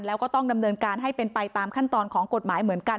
แล้วก็ต้องดำเนินการให้เป็นไปตามขั้นตอนของกฎหมายเหมือนกัน